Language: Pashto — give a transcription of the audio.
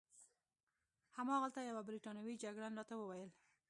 هماغلته یوه بریتانوي جګړن راته وویل.